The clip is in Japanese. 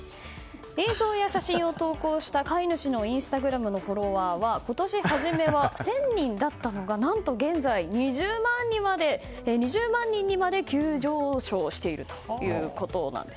映像や写真を投稿した飼い主のインスタグラムのフォロワーは今年初めは１０００人だったのが何と現在、２０万人にまで急上昇しているということです。